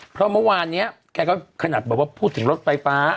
เพราะเมื่อวานนี้แกก็ขนาดแบบว่าพูดถึงรถไฟฟ้า